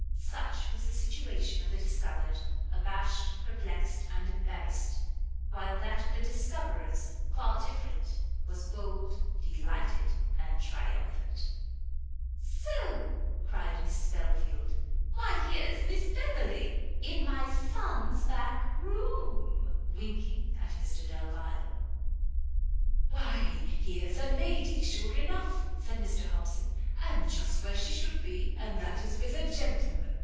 Such was the situation of the discovered, abashed, perplexed, and embarrassed! while that of the discoverers, far different, was bold, delighted, and triumphant! "So!" cried Mrs Belfield, "why here's Miss Beverley! in my son's back room!" winking at Mr Delvile. "Why here's a lady, sure enough!" said Mr Hobson, "and just where she should be, and that is with a gentleman.